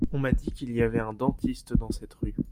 On m’a dit qu’il y avait un dentiste dans cette rue…